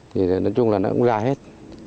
thì nói chung là nó cũng ra hết